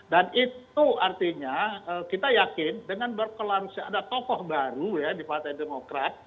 dan itu artinya kita yakin dengan berkelarusnya ada tokoh baru ya di partai demokrat